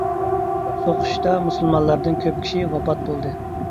سوقۇشتا مۇسۇلمانلاردىن كۆپ كىشى ۋاپات بولدى.